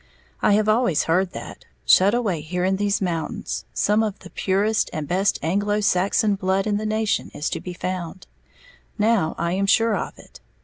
I have always heard that, shut away here in these mountains, some of the purest and best Anglo Saxon blood in the nation is to be found; now I am sure of it.